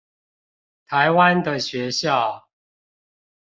台灣的學校